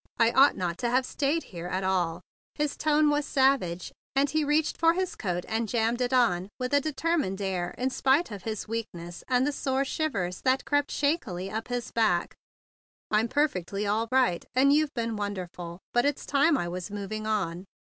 I ought not to have stayed here at all!" His tone was savage, and he reached for his coat, and jammed it on with a determined air in spite of his weakness and the sore 96 THE BIG BLUE SOLDIER shivers that crept shakily up his back. "I'm perfectly all right, and you've been wonderful; but it's time I was moving on."